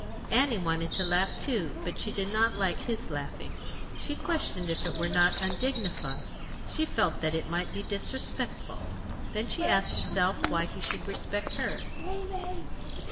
Annie wanted to laugh too, but she did not like his laughing. She questioned if it were not undignified. She felt that it might be disrespectful. Then she asked herself why he should respect her.